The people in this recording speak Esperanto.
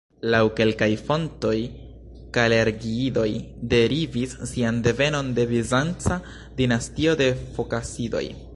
Laŭ kelkaj fontoj Kalergiidoj derivis sian devenon de bizanca dinastio de Fokasidoj.